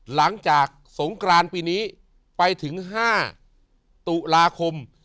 หลังจากสงกรานปีนี้ไปถึง๕ตุลาคม